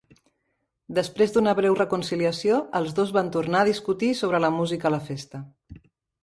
Després d'una breu reconciliació, els dos van tornar a discutir sobre la música a la festa.